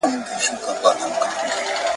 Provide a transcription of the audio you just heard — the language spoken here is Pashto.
له دې ماتو ټوټو ډک کړي صندوقونه `